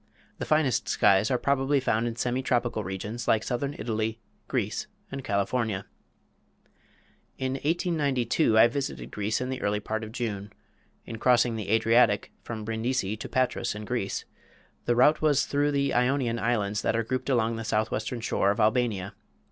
The finest skies are probably found in semi tropical regions like southern Italy, Greece, and California. In 1892 I visited Greece in the early part of June. In crossing the Adriatic, from Brindisi to Patras in Greece, the route was through the Ionian Islands that are grouped along the southwestern shore of Albania.